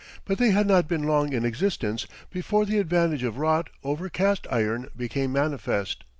But they had not been long in existence before the advantage of wrought over cast iron became manifest.